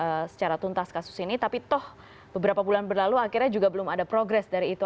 secara tuntas kasus ini tapi toh beberapa bulan berlalu akhirnya juga belum ada progres dari itu